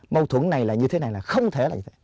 mâu thuẫn này là như thế này là không thể là như thế này